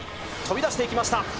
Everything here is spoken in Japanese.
飛び出していきました。